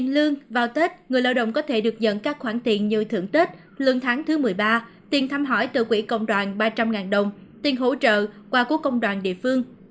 lao động có thể được nhận các khoản tiền như thưởng tết lương tháng thứ một mươi ba tiền thăm hỏi từ quỹ công đoàn ba trăm linh đồng tiền hỗ trợ qua của công đoàn địa phương